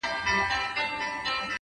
ما يادوه چي له چينې سره خبرې کوې!